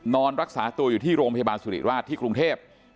นอนรักษาตัวอยู่ที่โรงพยาบาลสุริราชที่กรุงเทพ